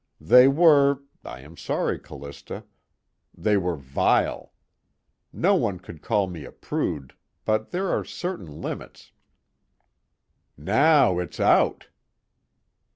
They were I am sorry, Callista they were vile. No one could call me a prude, but there are certain limits " "Now it's out."